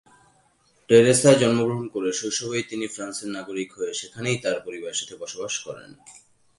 টেরেসায় জন্মগ্রহণ করে শৈশবেই তিনি ফ্রান্সের নাগরিক হয়ে সেখানেই তার পরিবারের সাথে বসবাস করেন।